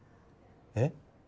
えっ？